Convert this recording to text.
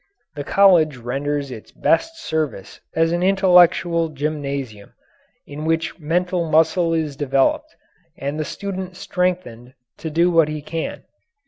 The college renders its best service as an intellectual gymnasium, in which mental muscle is developed and the student strengthened to do what he can.